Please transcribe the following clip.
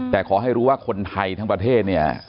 แต่ขอให้รู้ว่าคนไทยทั้งประเทศเนี่ย